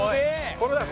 これだよ！